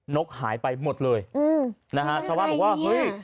นกหายไปหมดเลยอืมนะฮะชาวบ้านบอกว่าเฮ้ย